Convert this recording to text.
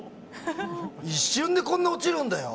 一瞬でこんなに落ちるんだよ。